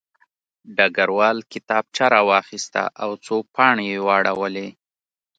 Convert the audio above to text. ډګروال کتابچه راواخیسته او څو پاڼې یې واړولې